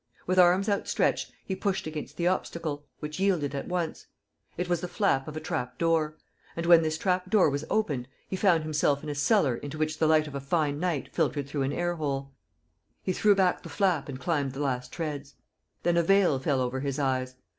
With arms outstretched, he pushed against the obstacle, which yielded at once. It was the flap of a trap door; and, when this trap door was opened, he found himself in a cellar into which the light of a fine night filtered through an air hole. He threw back the flap and climbed the last treads. Then a veil fell over his eyes.